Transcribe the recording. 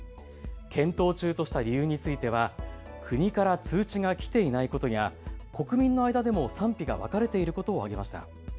検討中とした理由については国から通知が来ていないことや国民の間でも賛否が分かれていることを挙げました。